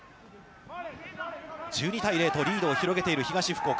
１２対０とリードを広げている東福岡。